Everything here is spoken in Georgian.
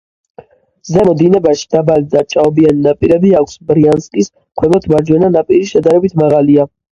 ზემო დინებაში დაბალი და ჭაობიანი ნაპირები აქვს, ბრიანსკის ქვემოთ მარჯვენა ნაპირი შედარებით მაღალია.